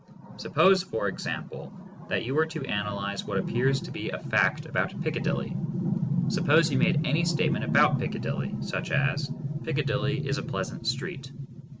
Suppose, for example, that you were to analyze what appears to be a fact about Piccadilly. Suppose you made any statement about Picca dilly, such as: "Piccadilly is a pleasant street."